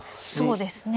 そうですね。